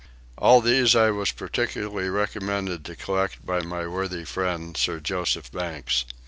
All these I was particularly recommended to collect by my worthy friend, Sir Joseph Banks.